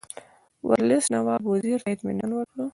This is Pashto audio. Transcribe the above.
ورلسټ نواب وزیر ته اطمینان ورکړ.